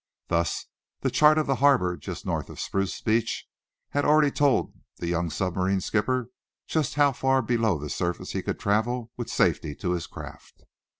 Thus, the chart of the harbor just north of Spruce Beach had already told the young submarine skipper just how far below the surface he could travel with safety to his craft.